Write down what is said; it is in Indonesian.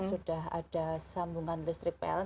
sudah ada sambungan listrik pln